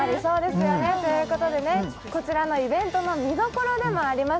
ということでね、こちらのイベントの見どころでもあります